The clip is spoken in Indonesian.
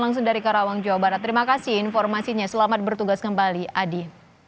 langsung dari karawang jawa barat terima kasih informasinya selamat bertugas kembali adi